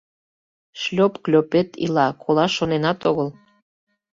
Шлёп-клёпет ила, колаш шоненат огыл.